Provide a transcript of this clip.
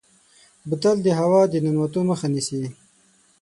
بوتل د هوا د ننوتو مخه نیسي.